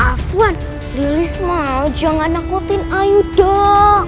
afwan lilis mau jangan nakutin ayu dong